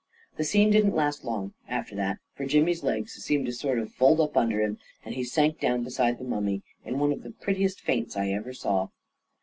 The scene didn't last long, after that, for Jimmy's legs seemed to sort of fold up under him, and he sank down beside the mummy in one of the prettiest faints I ever saw.